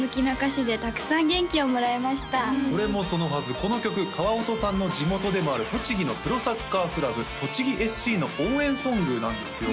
この曲川音さんの地元でもある栃木のプロサッカークラブ栃木ＳＣの応援ソングなんですよ